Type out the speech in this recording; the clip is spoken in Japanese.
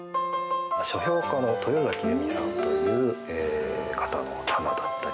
書評家の豊崎由美さんという方の棚だったり。